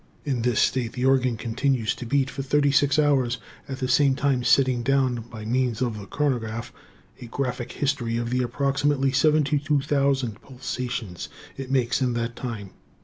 In this state the organ continues to beat for thirty six hours, at the same time setting down, by means of the chronograph, a graphic history of the approximately 72,000 pulsations it makes in that time.